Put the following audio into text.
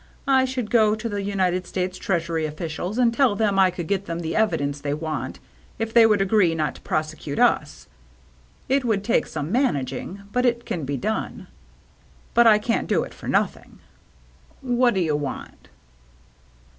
I should go to the United States Treas ury officials and tell them I could get them the evidence they want if they would agree not to prosecute us. It would take some managing, but it can be done. But I can't do it for nothing." " What do you want